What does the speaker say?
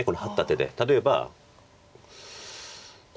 例えば。